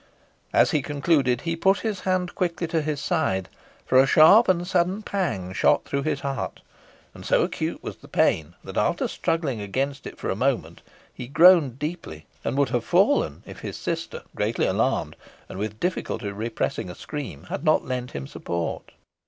As he concluded, he put his hand quickly to his side, for a sharp and sudden pang shot through his heart; and so acute was the pain, that, after struggling against it for a moment, he groaned deeply, and would have fallen, if his sister, greatly alarmed, and with difficulty repressing a scream, had not lent him support.